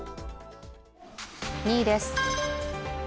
２位です。